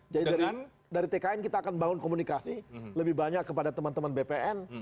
jadi dari tkn kita akan membangun komunikasi lebih banyak kepada teman teman bpn